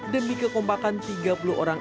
demi kekompakan tiga puluh orang